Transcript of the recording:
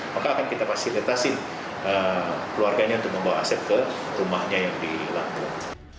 maka akan kita fasilitasi keluarganya untuk membawa asep ke rumahnya yang di lampung